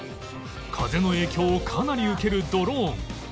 風の影響をかなり受けるドローン